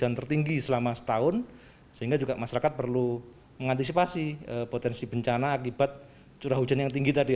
hujan tertinggi selama setahun sehingga juga masyarakat perlu mengantisipasi potensi bencana akibat curah hujan yang tinggi tadi